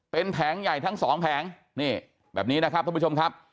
เป็นแผงใหญ่ทั้งสองแผงนี่แบบนี้นะครับท่านผู้ชมครับ